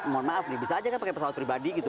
mohon maaf nih bisa aja kan pakai pesawat pribadi gitu